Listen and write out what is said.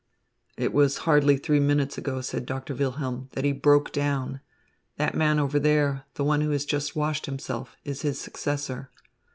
"It was hardly three minutes ago," said Doctor Wilhelm, "that he broke down. That man over there, the one who has just washed himself, is his successor."